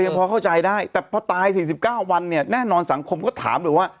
พอเข้าใจได้แต่พอตาย๔๙วันเนี่ยแน่นอนสังคมก็ถามเลยว่า